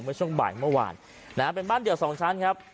เมื่อช่วงบ่ายเมื่อวานนะฮะเป็นบ้านเดี่ยวสองชั้นครับ